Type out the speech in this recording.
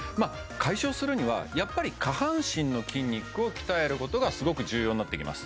解消するにはやっぱり下半身の筋肉を鍛えることがすごく重要になってきます